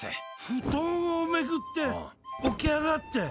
布団をめくって、起き上がって。